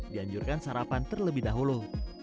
dianjurkan sarapan terlebih dahulu